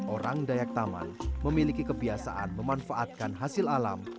orang dayak taman memiliki kebiasaan memanfaatkan hasil alam